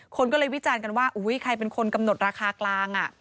คนก็เลยวิจารณ์กันว่าอุ้ยใครเป็นคนกำหนดราคากลาง